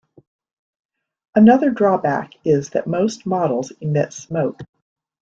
Another drawback is that most models emit smoke.